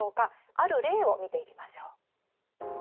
ある例を見ていきましょう。